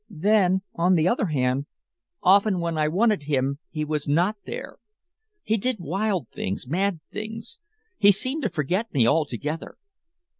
Then, on the other hand, often when I wanted him he was not there, he did wild things, mad things; he seemed to forget me altogether.